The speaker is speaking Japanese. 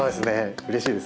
うれしいですね。